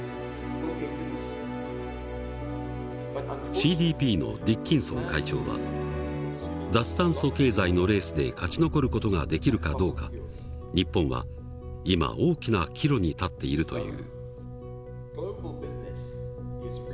ＣＤＰのディッキンソン会長は脱炭素経済のレースで勝ち残る事ができるかどうか日本は今大きな岐路に立っているという。